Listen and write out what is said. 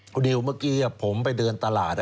คุณดิวเมื่อกี้ผมไปเดินตลาด